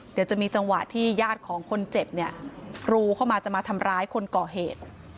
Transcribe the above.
เดี๋ยวจะมีจังหวะที่ญาติของคนเจ็บเนี่ยกรูเข้ามาจะมาทำร้ายคนก่อเหตุ